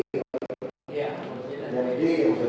ya proses yang di dalam pembangunan